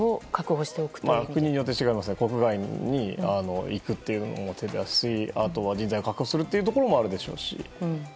国によって違いますが国外に行くというのも手だしあとは人材確保するというところもあるでしょうし。